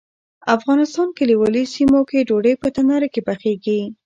د افغانستان کلیوالي سیمو کې ډوډۍ په تناره کې پخیږي.